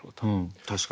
確かに。